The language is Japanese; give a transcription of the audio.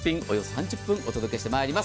およそ３０分、お届けします。